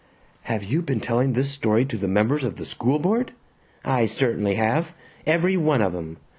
"Have you been telling this story to the members of the school board?" "I certainly have! Every one of 'em!